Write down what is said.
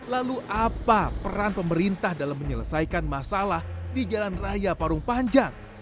lalu apa peran pemerintah dalam menyelesaikan masalah di jalan raya parung panjang